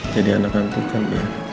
jadi anak hantu kan